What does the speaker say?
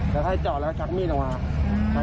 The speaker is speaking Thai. แล้วถ้าจอดแล้วก็จักมีดลงมา